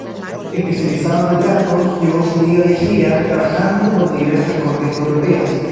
Especializado en retratos, llevó una vida viajera, trabajando para diversas cortes europeas.